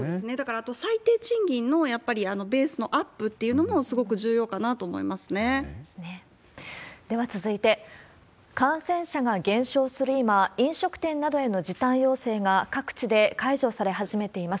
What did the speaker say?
あと、最低賃金のベースのアップっていうのもすでは続いて、感染者が減少する今、飲食店などへの時短要請が、各地で解除され始めています。